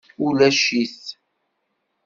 Ulac-it.